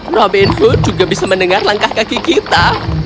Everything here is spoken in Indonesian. robin food juga bisa mendengar langkah kaki kita